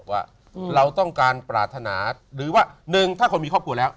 ว่าเราต้องการปรารถนาหรือว่าหนึ่งถ้าคนมีครอบครัวแล้ว